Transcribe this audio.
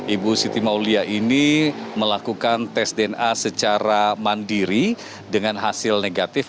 ibu siti maulia ini melakukan tes dna secara mandiri dengan hasil negatif